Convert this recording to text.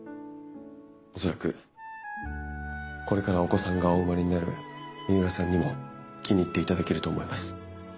恐らくこれからお子さんがお生まれになる三浦さんにも気に入っていただけると思います。